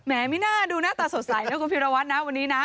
ไม่น่าดูหน้าตาสดใสนะคุณพิรวัตรนะวันนี้นะ